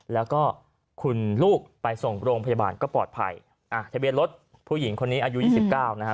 แล้วก็คุณลูกไปส่งโรงพยาบาลก็ปลอดภัยอ่ะทะเบียนรถผู้หญิงคนนี้อายุยี่สิบเก้านะฮะ